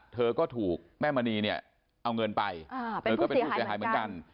เธอก็ถูกแม่มณีเนี่ยเอาเงินไปเธอก็เป็นผู้เสียหายเหมือนกัน